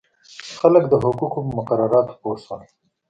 خلک د حقوقو په مقرراتو پوه شول.